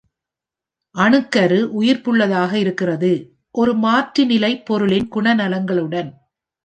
அணுக்கரு உயிர்ப்புள்ளதாக இருக்கின்றது, ஒரு “மாற்றுநிலை” பொருளின் குணநலன்களுடன்.